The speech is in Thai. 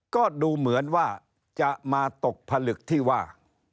ก็ดูเหมือนว่าจะมาตกผลึกที่ว่า